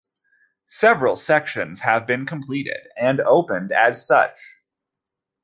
Several sections have been completed and opened as such.